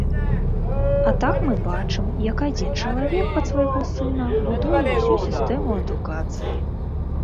А так мы бачым, як адзін чалавек пад свайго сына будуе ўсю сістэму адукацыі.